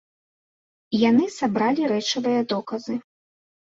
Яны сабралі рэчавыя доказы.